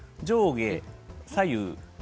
上下左右。